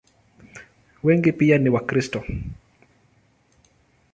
Wengi pia ni Wakristo.